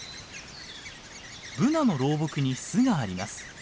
ブナの老木に巣があります。